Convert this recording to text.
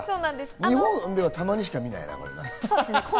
日本では、たまにしか見ないな。